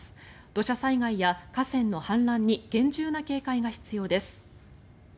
土砂災害や河川の氾濫に厳重な警戒が必要です。